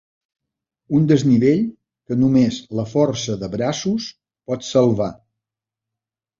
Un desnivell que només la força de braços pot salvar.